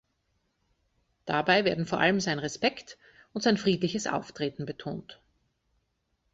Dabei werden vor allem sein Respekt und sein friedliches Auftreten betont.